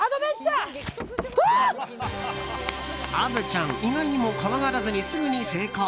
虻ちゃん、意外にも怖がらずにすぐに成功。